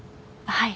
はい。